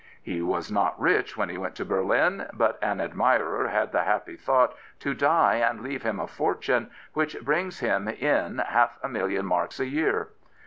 He was not rich when he went to Berlin, but an admirer had the happy thought to die and leave him a fortune which brings him in half a million marks a year.